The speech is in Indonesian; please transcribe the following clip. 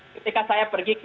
ketika saya pergi ke